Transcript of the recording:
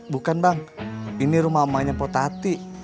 bukan bang ini rumah emaknya potati